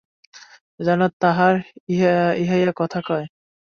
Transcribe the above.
যেন তাহার হইয়া কথা কয়।